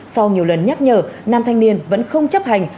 sau nhiều lần nhắc nhở nam thanh niên vẫn không chấp hành